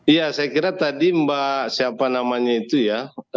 iya saya kira tadi mbak siapa namanya itu ya